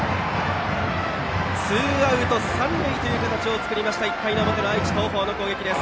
ツーアウト、三塁という形を作った１回の表の愛知の東邦の攻撃です。